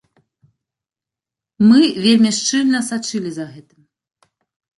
Мы вельмі шчыльна сачылі за гэтым.